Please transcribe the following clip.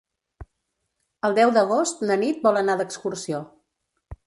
El deu d'agost na Nit vol anar d'excursió.